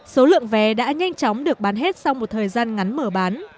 số lượng vé đã nhanh chóng được bán hết sau một thời gian ngắn mở bán